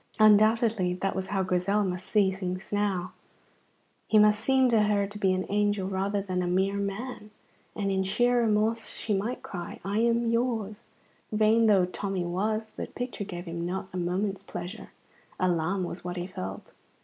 Undoubtedly that was how Grizel must see things now; he must seem to her to be an angel rather than a mere man; and in sheer remorse she might cry, "I am yours!" Vain though Tommy was, the picture gave him not a moment's pleasure. Alarm was what he felt.